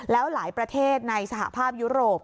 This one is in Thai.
แล้วหลายประเทศในสหภาพยุโรป